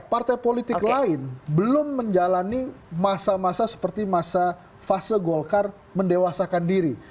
partai politik lain belum menjalani masa masa seperti masa fase golkar mendewasakan diri